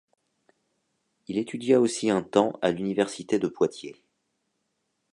Il étudia aussi un temps à l'université de Poitiers.